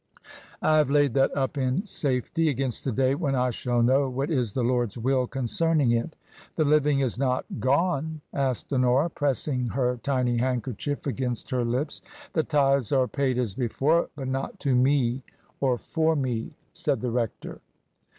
" I have laid that up in safety against the day when I shall know what is the Lord's will concerning it." " The Living is not — gone ?" asked Honora, pressing her tiny handkerchief against her lips. " The Tithes are paid as before. But not to me ox for me said the rector.